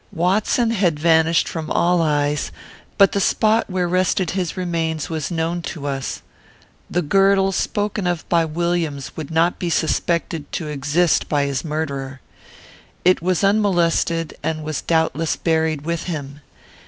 Watson had vanished from all eyes, but the spot where rested his remains was known to us. The girdle spoken of by Williams would not be suspected to exist by his murderer. It was unmolested, and was doubtless buried with him.